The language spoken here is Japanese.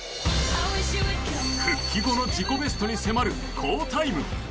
復帰後の自己ベストに迫る好タイム。